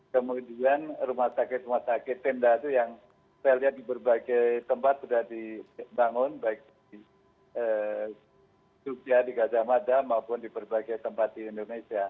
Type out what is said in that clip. kemudian rumah sakit rumah sakit tenda itu yang saya lihat di berbagai tempat sudah dibangun baik di jogja di gajah mada maupun di berbagai tempat di indonesia